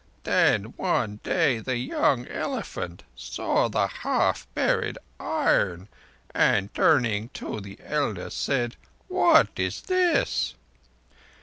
"Then one day the young elephant saw the half buried iron, and turning to the elder said: 'What is this?